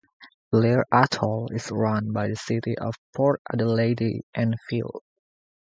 Blair Athol is run by the City of Port Adelaide Enfield.